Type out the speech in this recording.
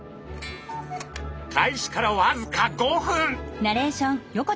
開始からわずか５分。